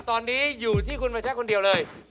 ตอนนี้อยู่ที่คุณประชาคนเดียวเลย